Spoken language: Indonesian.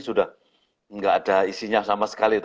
sudah tidak ada isinya sama sekali